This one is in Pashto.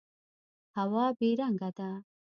هوا بې رنګه ده.